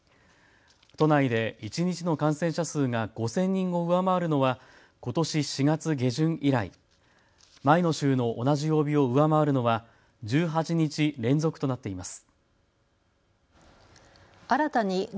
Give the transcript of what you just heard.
都内で一日の感染者数が５０００人を上回るのはことし４月下旬以来、前の週の同じ曜日を上回るのは１８日連続となっています。